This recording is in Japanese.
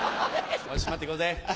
よし締まっていこうぜ。